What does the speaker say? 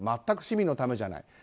全く市民のためじゃない。